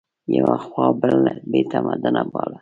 یوه خوا بل بې تمدنه باله